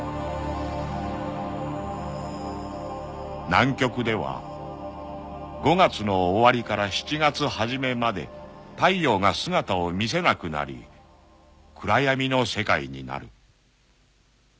［南極では５月の終わりから７月初めまで太陽が姿を見せなくなり暗やみの世界になる］